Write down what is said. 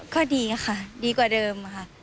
ก็ดีค่ะดีกว่าเดิมค่ะ